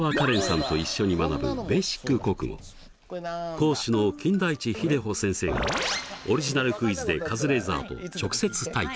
講師の金田一秀穂先生がオリジナルクイズでカズレーザーと直接対決！